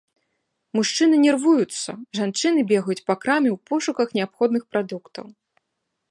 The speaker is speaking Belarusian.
Мужчыны нервуюцца, жанчыны бегаюць па краме ў пошуках неабходных прадуктаў.